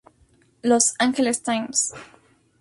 Los Angeles Times.